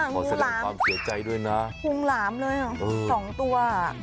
ขอแสดงความเสียใจด้วยนะหุงหลามเลย๒ตัว